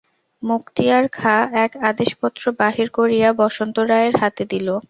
মুক্তিয়ার খাঁ এক আদেশপত্র বাহির করিয়া বসন্ত রায়ের হাতে দিল।